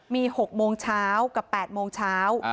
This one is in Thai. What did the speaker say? มี๖โมงเช้ากับ๘โมงเช้า